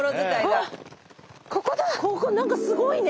ここ何かすごいね。